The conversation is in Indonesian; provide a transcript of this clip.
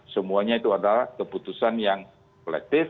semuanya itu adalah keputusan yang kolektif